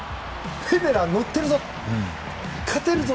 フェデラー乗ってるぞ。